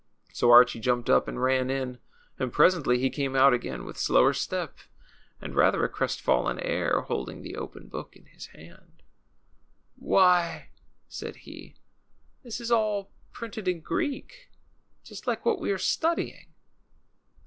So Archie jumped up and ran in ; and presently he came out again, with slower step and rather a crestfallen air, holding the open book in his hand. ii8 THE CHILDREN'S WONDER BOOK. "Why," said he, "this is all printed in Greek, just like what we are studying."